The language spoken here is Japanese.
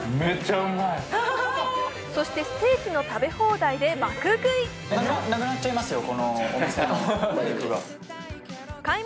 そして、ステーキの食べ放題で爆食い。